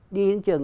đi đến trường